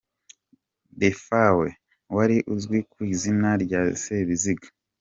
Defawe, wari uzwi ku izina rya “Sebiziga”.